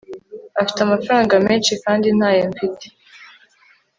ufite amafaranga menshi, kandi ntayo mfite